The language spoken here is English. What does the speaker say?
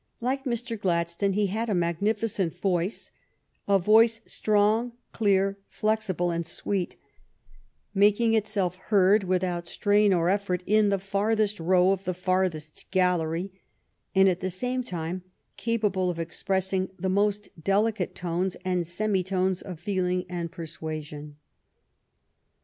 Like Mr. Glad stone, he had a magnificent voice, a voice strong, clear, flexible, and sweet, making itself heard with out strain or effort in the farthest row of the farthest gallery, and at the same time capable of express ing the most delicate tones and semi tones of feeling and of per suasion.